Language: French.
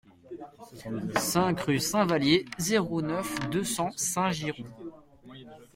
cinq rue Saint-Valier, zéro neuf, deux cents Saint-Girons